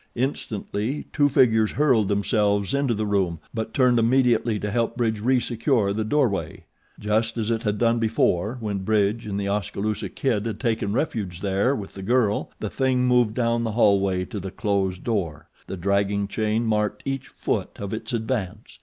Instantly two figures hurled themselves into the room but turned immediately to help Bridge resecure the doorway. Just as it had done before, when Bridge and The Oskaloosa Kid had taken refuge there with the girl, the THING moved down the hallway to the closed door. The dragging chain marked each foot of its advance.